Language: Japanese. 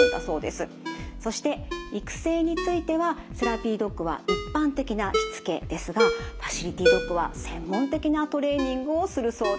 そして育成についてはセラピードッグは一般的なしつけですがファシリティドッグは専門的なトレーニングをするそうです。